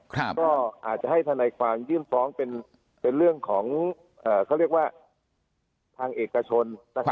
ก็อาจจะให้ธนายความยื่นฟ้องเป็นเรื่องของเขาเรียกว่าทางเอกชน